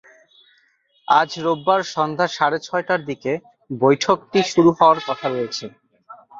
আজ রোববার সন্ধ্যা সাড়ে ছয়টার দিকে বৈঠকটি শুরু হওয়ার কথা রয়েছে।